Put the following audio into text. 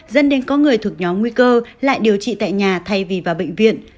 dân đến có người thuộc nhóm nguy cơ lại điều trị tại nhà thay vì vào bệnh viện